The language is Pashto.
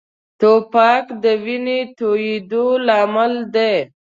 توپک د وینې تویېدو لامل دی.